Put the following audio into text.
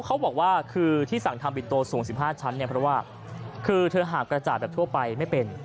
เขาบอกว่าคือที่สั่งทำบิโตสูง๑๕ชั้นเนี่ยเพราะว่าคือเธอหากกระจ่ายแบบทั่วไปไม่เป็น